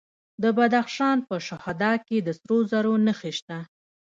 د بدخشان په شهدا کې د سرو زرو نښې شته.